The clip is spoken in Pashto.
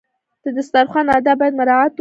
د دسترخوان آداب باید مراعات کړو.